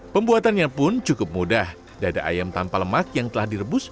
pembuatannya pun cukup mudah dada ayam tanpa lemak yang telah direbus